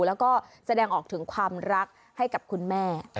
แล้วก็แสดงออกถึงความรักให้กับคุณแม่